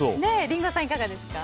リンゴさん、いかがですか？